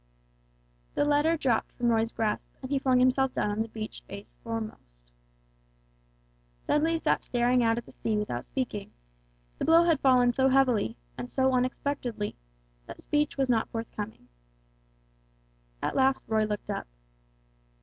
The letter dropped from Roy's grasp, and he flung himself down on the beach face foremost. Dudley sat staring out at the sea without speaking. The blow had fallen so heavily, and so unexpectedly, that speech was not forthcoming. At last Roy looked up.